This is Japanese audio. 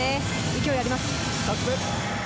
勢いがあります。